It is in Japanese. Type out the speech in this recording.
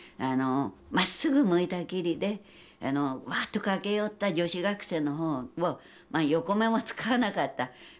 まっすぐ向いたきりでワッと駆け寄った女子学生の方を横目も使わなかった。